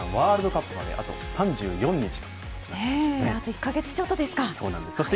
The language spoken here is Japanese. ワールドカップまであと３４日となりました。